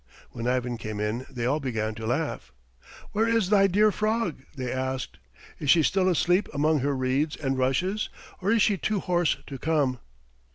When Ivan came in they all began to laugh. "Where is thy dear frog?" they asked. "Is she still asleep among her reeds and rushes, or is she too hoarse to come?"